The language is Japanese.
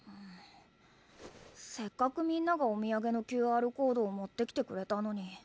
せっかくみんながお土産のＱＲコードを持ってきてくれたのに。